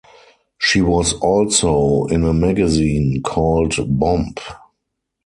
She was also in a magazine called Bomb!